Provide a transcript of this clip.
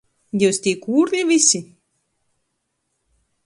Jius tī kūrli vysi?